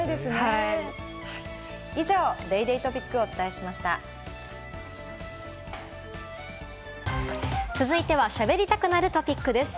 以上、ＤａｙＤａｙ．トピッ続いては、しゃべりたくなるトピックです。